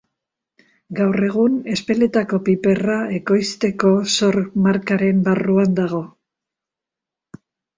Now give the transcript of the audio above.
Gaur egun, Ezpeletako piperra ekoizteko sor-markaren barruan dago.